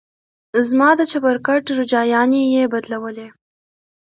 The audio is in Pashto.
زما د چپرکټ روجايانې يې بدلولې.